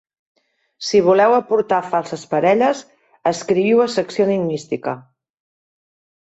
Si voleu aportar falses parelles, escriviu a Secció Enigmística.